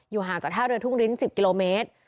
ห่างจากท่าเรือทุ่งลิ้น๑๐กิโลเมตร